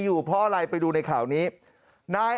อยู่เพราะอะไรไปดูในข่าวนี้นาย